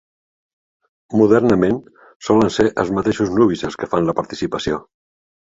Modernament solen ser els mateixos nuvis els que fan la participació.